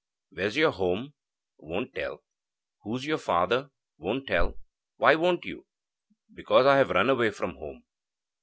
'Where's your home?' 'Won't tell.' 'Who's your father?' 'Won't tell.' 'Why won't you?' 'Because I have run away from home.'